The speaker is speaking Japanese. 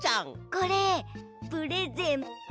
これプレゼント。